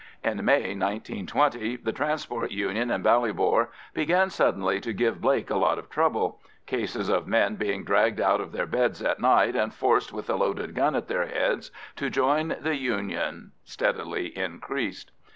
In May 1920 the Transport Union in Ballybor began suddenly to give Blake a lot of trouble—cases of men being dragged out of their beds at night and forced with a loaded gun at their heads to join the Union steadily increased.